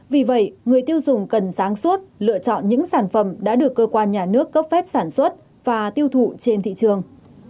vì vậy người tiêu dùng cần sáng suốt lựa chọn những sản phẩm đã được cơ quan nhà nước cấp phép sản xuất và tiêu thụ trên thị trường